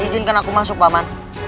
izinkan aku masuk paman